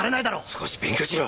少し勉強しろ！